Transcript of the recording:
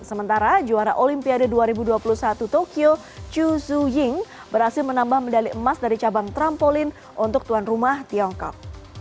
sementara juara olimpiade dua ribu dua puluh satu tokyo chu su ying berhasil menambah medali emas dari cabang trampolin untuk tuan rumah tiongkok